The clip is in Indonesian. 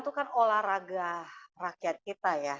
itu kan olahraga rakyat kita ya